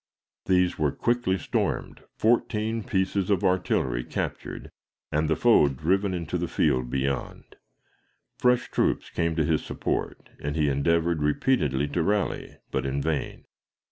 These were quickly stormed, fourteen pieces of artillery captured, and the foe driven into the field beyond. Fresh troops came to his support, and he endeavored repeatedly to rally, but in vain.